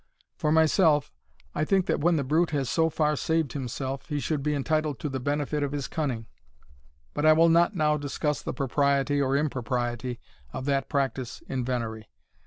For myself, I think that when the brute has so far saved himself, he should be entitled to the benefit of his cunning; but I will not now discuss the propriety or impropriety of that practice in venery.